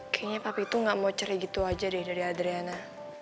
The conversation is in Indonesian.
kayanya papi tuh gak mau cerai gitu aja deh dari adiana